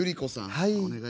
「はい」。